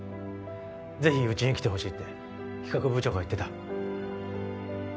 ぜひうちに来てほしいって企画部長が言ってた。